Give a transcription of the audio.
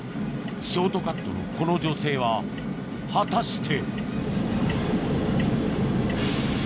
ショートカットのこの女性は果たして？